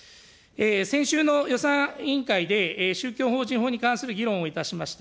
先週の予算委員会で、宗教法人法に関する議論をいたしました。